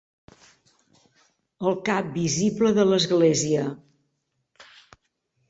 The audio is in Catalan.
El cap visible de l'Església.